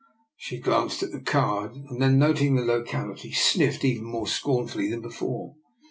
She glanced at the card, and, noting the locality, sniffed even more scornfully than before.